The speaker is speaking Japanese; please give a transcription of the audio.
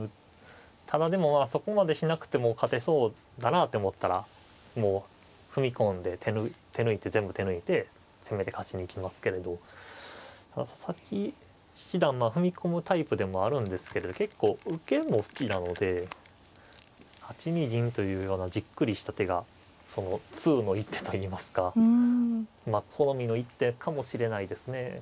ただでもそこまでしなくても勝てそうだなって思ったらもう踏み込んで手抜いて全部手抜いて攻めて勝ちに行きますけれど佐々木七段踏み込むタイプでもあるんですけれど結構受けも好きなので８二銀というようなじっくりした手がその通の一手といいますか好みの一手かもしれないですね。